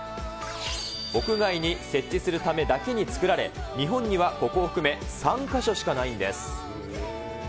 屋外に設置するためだけに作られ、日本にはここを含め３か所しかないんです。